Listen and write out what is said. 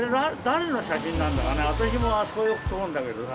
私もあそこよく通るんだけどな。